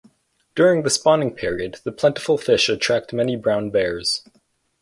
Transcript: During the spawning period the plentiful fish attract many brown bears.